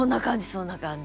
そんな感じ。